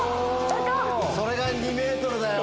それが２ｍだよ